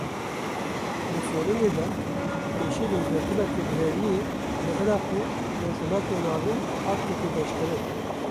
Di Forumê de Pêşîlêgirtina tundrewiyê li Iraq û Rojhilatê Navîn hat gotûbêjkirin.